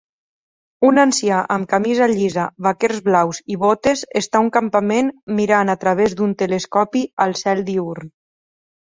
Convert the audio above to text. Un ancià amb camisa llisa, vaquers blaus i botes està a un campament mirant a través d'un telescopi al cel diürn